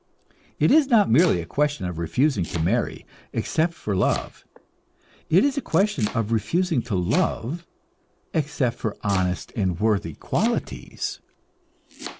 It is not merely a question of refusing to marry except for love, it is a question of refusing to love except for honest and worthy qualities.